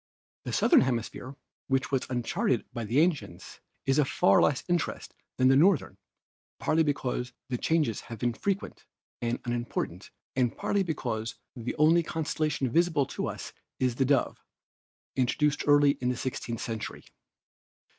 "The southern hemisphere, which was uncharted by the ancients, is of far less interest than the northern, partly because the changes have been frequent and unimportant and partly because the only constellation visible to us is the Dove, introduced early in the sixteenth century.